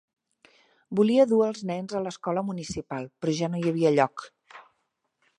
Volia dur els nens a l'escola municipal, però ja no hi havia lloc.